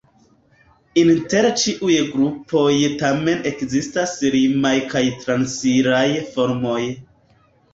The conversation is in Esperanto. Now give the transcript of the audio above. Inter ĉiuj grupoj tamen ekzistas limaj kaj transiraj formoj.